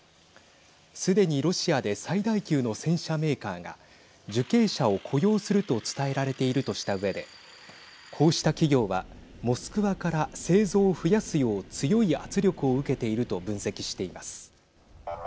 すでにロシアで最大級の戦車メーカーが受刑者を雇用すると伝えられているとしたうえでこうした企業はモスクワから製造を増やすよう強い圧力を受けていると分析しています。